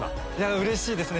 うれしいですね。